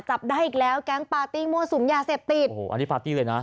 จับได้อีกแล้วแก๊งปาร์ตี้มั่วสุมยาเสพติดโอ้โหอันนี้ปาร์ตี้เลยนะ